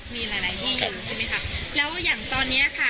แล้วอย่างตอนนี้ค่ะให้บอกผ่านไทยรัฐได้เลยค่ะ